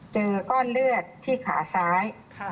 เจอก้อนเลือดที่ขาซ้าย